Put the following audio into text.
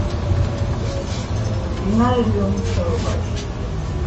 მდინარე რიონის ხეობაში.